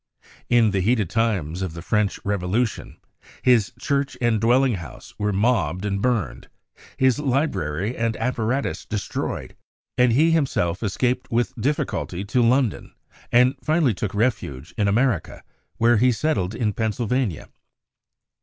In the heated times of the French Revolution, his church and dwelling house were mobbed and burned, his library and apparatus destroyed, and he himself escaped with difficulty to London, and finally took refuge in America, where he settled in Pennsylvania.